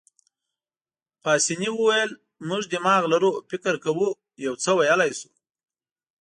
پاسیني وویل: موږ دماغ لرو، فکر کوو، یو څه ویلای شو.